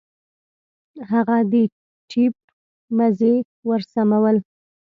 هغه د ټېپ مزي ورسمول.